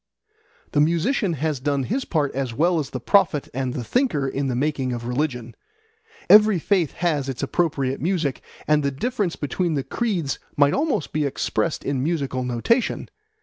The musician has done his part as well as the prophet and the thinker in the making of religion. Every faith has its appropriate music, and the difference between the creeds might almost be expressed in musical notation.